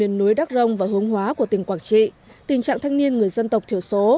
núi đắc rông và hương hóa của tỉnh quảng trị tình trạng thanh niên người dân tộc thiểu số